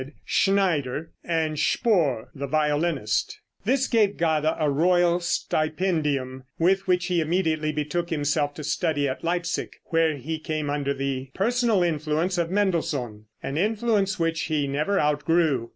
Schneider and Spohr, the violinist. This gave Gade a royal stipendium, with which he immediately betook himself to study at Leipsic, where he came under the personal influence of Mendelssohn, an influence which he never outgrew.